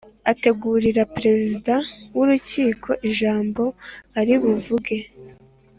ategurira Perezida w Urukiko ijambo aribuvuge